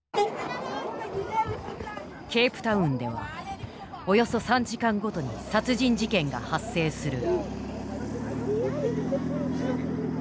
ケープタウンではおよそ３時間ごとに殺人事件が発生する。